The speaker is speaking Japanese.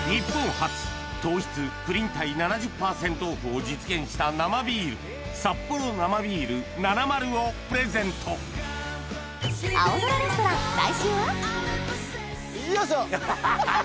初糖質プリン体７０％オフを実現した生ビールサッポロ生ビールナナマルをプレゼントよいしょ！